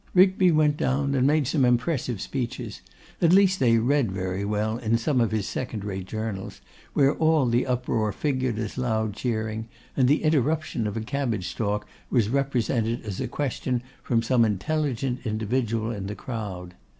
Rigby went down, and made some impressive speeches; at least they read very well in some of his second rate journals, where all the uproar figured as loud cheering, and the interruption of a cabbage stalk was represented as a question from some intelligent individual in the crowd.